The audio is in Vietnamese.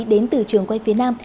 đến từ trường quay phía nam